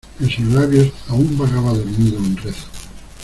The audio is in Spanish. en sus labios aún vagaba dormido un rezo.